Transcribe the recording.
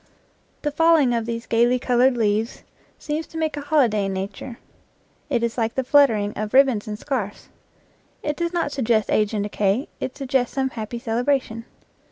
The falling of these gayly colored leaves seems to 85 IN FIELD AND WOOD make a holiday in nature; it is like the fluttering of ribbons and scarfs ; it does not suggest age and decay ; it suggests some happy celebration.